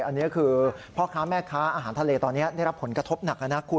อันนี้คือพ่อค้าแม่ค้าอาหารทะเลตอนนี้ได้รับผลกระทบหนักแล้วนะคุณ